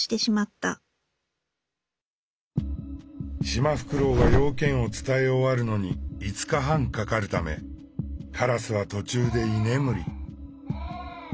シマフクロウが用件を伝え終わるのに５日半かかるためカラスは途中で居眠り。